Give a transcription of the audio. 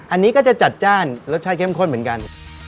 อันนี้ก็จะจัดจ้านรสชาติเข้มข้นเหมือนกัน